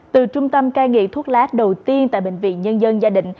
từ trung tâm ca nghiện thuốc lá đầu tiên tại bệnh viện nhân dân gia định